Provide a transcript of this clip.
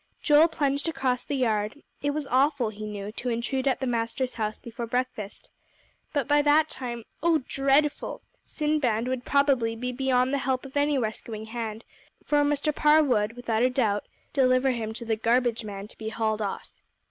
Joel plunged across the yard. It was awful, he knew, to intrude at the master's house before breakfast. But by that time oh, dreadful! Sinbad would probably be beyond the help of any rescuing hand, for Mr. Parr would, without a doubt, deliver him to the garbage man to be hauled off.